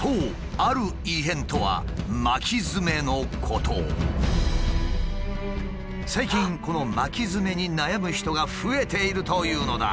ある異変とは最近この巻きヅメに悩む人が増えているというのだ。